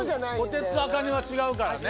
こてつと茜は違うからね。